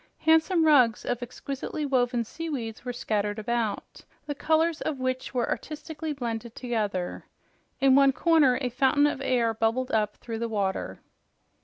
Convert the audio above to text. Handsome rugs of exquisitely woven seaweeds were scattered about, the colors of which were artistically blended together. In one corner a fountain of air bubbled up through the water.